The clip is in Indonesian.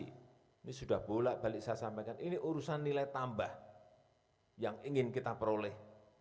ini sudah bolak balik saya sampaikan ini urusan nilai tambah yang ingin kita peroleh